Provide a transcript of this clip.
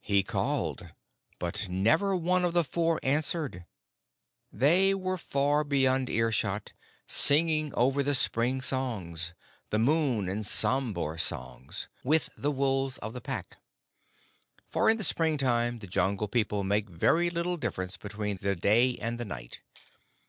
He called, but never one of the Four answered. They were far beyond earshot, singing over the spring songs the Moon and Sambhur Songs with the wolves of the Pack; for in the springtime the Jungle People make very little difference between the day and the night.